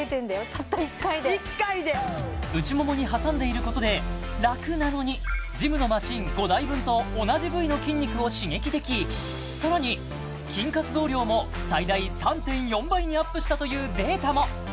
たった１回で１回で内ももに挟んでいることでラクなのにジムのマシン５台分と同じ部位の筋肉を刺激できさらに筋活動量も最大３．４倍にアップしたというデータも！